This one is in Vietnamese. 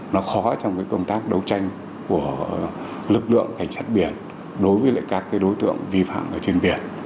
nó khó trong công tác đấu tranh của lực lượng cảnh sát biển đối với các đối tượng vi phạm ở trên biển